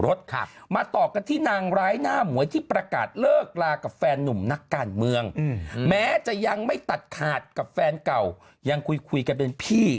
มาต่อกันที่นางร้ายหน้าหมวยที่ประกาศเลิกลากับแฟนนุ่มนักการเมืองแม้จะยังไม่ตัดขาดกับแฟนเก่ายังคุยคุยกันเป็นพี่